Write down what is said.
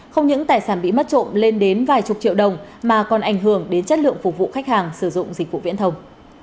không những tài sản bị mất trộm lên đến vài chục triệu đồng mà còn ảnh hưởng đến chất lượng phục vụ khách hàng sử dụng dịch vụ viễn thông